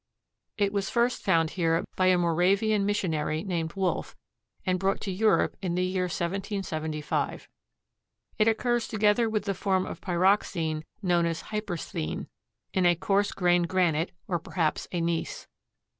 It was first found here by a Moravian missionary named Wolfe and brought to Europe in the year 1775. It occurs together with the form of pyroxene known as hypersthene, in a coarse grained granite, or perhaps a gneiss.